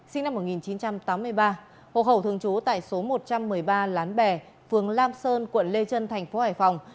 sinh năm một nghìn chín trăm tám mươi ba hộ khẩu thường trú tại số một trăm một mươi ba lán bè phường lam sơn quận lê trân thành phố hải phòng